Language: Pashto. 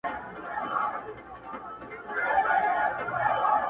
د احمدشاه له جګو غرونو سره لوبي کوي-